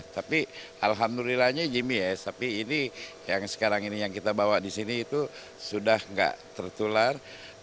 tapi alhamdulillahnya jimmy ya sapi ini yang sekarang ini yang kita bawa disini itu sudah gak tertular